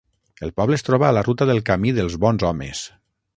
El poble es troba a la ruta del Camí dels bons homes.